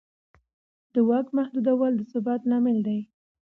د واک محدودول د ثبات لامل دی